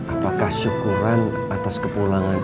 apakah syukuran atas kepulangan